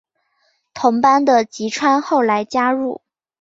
同班的吉川后来加入。